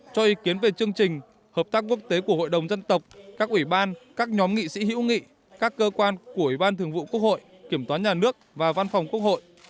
cho ý kiến về chương trình hợp tác quốc tế của hội đồng dân tộc các ủy ban các nhóm nghị sĩ hữu nghị các cơ quan của ủy ban thường vụ quốc hội kiểm toán nhà nước và văn phòng quốc hội